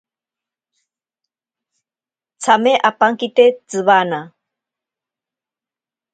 Tsame apankite tsiwana.